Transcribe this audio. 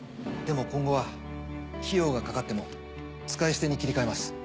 でも今後は費用がかかっても使い捨てに切り替えます。